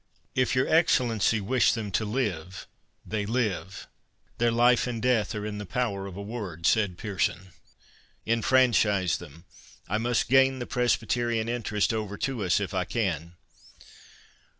"If your Excellency wish them to live, they live—their life and death are in the power of a word," said Pearson. "Enfranchise them; I must gain the Presbyterian interest over to us if I can."